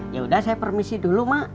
ya udah saya permisi dulu mak